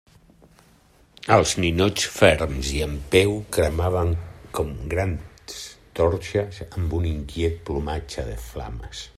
Els ninots ferms i en peu cremaven com grans torxes amb un inquiet plomatge de flames.